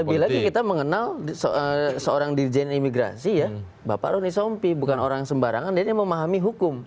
lebih lagi kita mengenal seorang dirjen imigrasi ya bapak roni sompi bukan orang sembarangan dia memahami hukum